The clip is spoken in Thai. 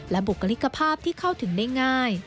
บุคลิกภาพที่เข้าถึงได้ง่าย